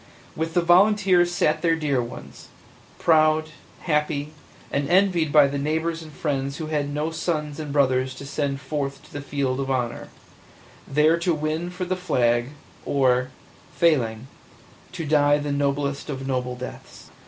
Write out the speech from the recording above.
With the volunteers sat their dear ones, proud, happy, and envied by the neighbors and friends who had no sons and brothers to send forth to the field of honor, there to win for the flag, or, failing, die the noblest of noble deaths.